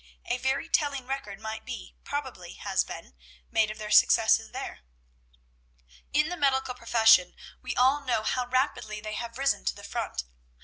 A very telling record might be, probably has been, made of their successes there. "In the medical profession we all know how rapidly they have risen to the front.